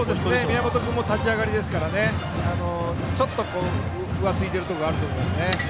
宮本君も立ち上がりですからちょっと浮ついているところがあると思います。